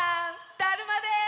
だるまです！